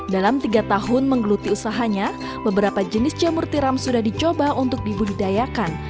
dalam tiga tahun menggeluti usahanya beberapa jenis jamur tiram sudah dicoba untuk dibudidayakan